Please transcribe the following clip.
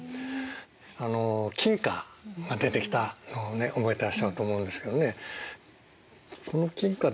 あの金貨が出てきたのを覚えてらっしゃると思うんですけどね